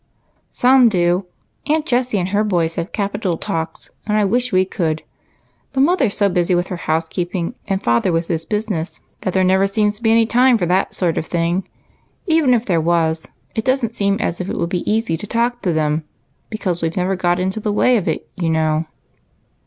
" Some do ; Aunt Jessie and her boys have capital talks, and I wish we could ; but mother 's so busy with her housekeeping, and father with his business, there never seems to be any time for that sort of thing ; even if there wa«, it don't seem as if it would be easy to talk to them, because we 've never got into the way of it, you know."